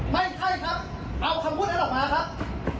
ไม่ใช่ครับเอาคำพูดนั้นออกมาครับ